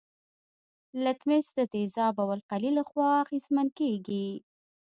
لتمس د تیزاب او القلي له خوا اغیزمن کیږي.